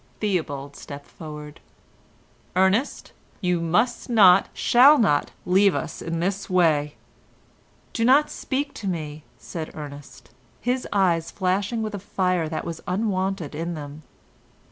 Theobald stepped forward. "Ernest, you must not, shall not, leave us in this way." "Do not speak to me," said Ernest, his eyes flashing with a fire that was unwonted in them.